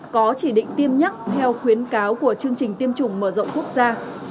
có chỉ định tiêm nhắc theo khuyến cáo của chương trình tiêm chủng mở rộng quốc gia